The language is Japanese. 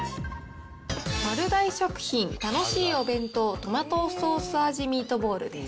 丸大食品、楽しいお弁当トマトソース味ミートボールです。